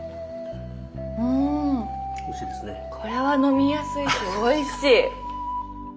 うんこれは飲みやすいしおいしい。